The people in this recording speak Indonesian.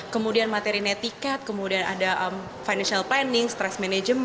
kemudian materi netiquette kemudian ada financial planning